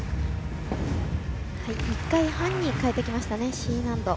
１回半に変えてきましたね、Ｃ難度。